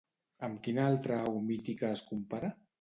Amb quina altra au mítica es compara?